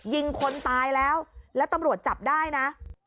ยิงคนตายแล้วแล้วตำรวจจับได้นะ